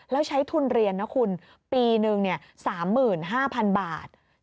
แล้วใช้ทุนเรียนนะคุณปีนึง๓๕๐๐๐บาท